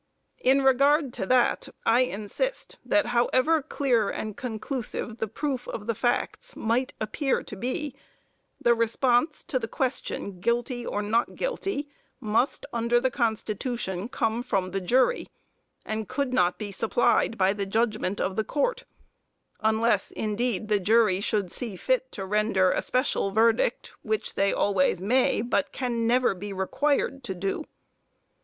In regard to that, I insist that however clear and conclusive the proof of the facts might appear to be, the response to the question, guilty or not guilty, must under the Constitution come from the jury and could not be supplied by the judgment of the Court, unless, indeed, the jury should see fit to render a special verdict, which they always may, but can never be required, to do.